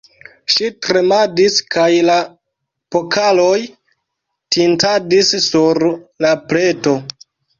Ŝi tremadis, kaj la pokaloj tintadis sur la pleto.